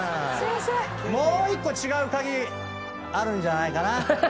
もう１個違うカギあるんじゃないかな。